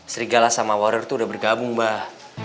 serigala sama wario tuh udah bergabung bah